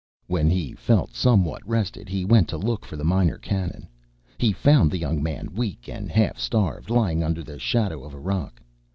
When he felt somewhat rested he went to look for the Minor Canon. He found the young man, weak and half starved, lying under the shadow of a rock.